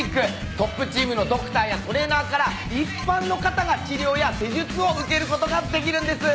トップチームのドクターやトレーナーから一般の方が治療や施術を受けることができるんです。